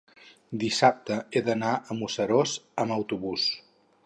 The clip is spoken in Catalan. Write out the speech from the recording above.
Dissabte he d'anar a Museros amb autobús.